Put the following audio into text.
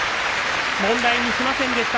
問題にしませんでした